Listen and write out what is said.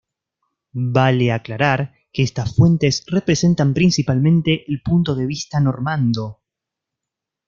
Vale aclarar que estas fuentes representan principalmente el punto de vista normando.